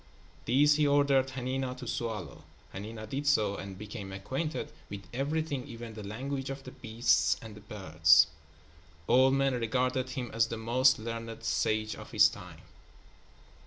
These he ordered Hanina to swallow. Hanina did so and became acquainted with everything, even the language of the beasts and the birds. All men regarded him as the most learned sage of his time.